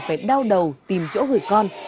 phải đau đầu tìm chỗ gửi con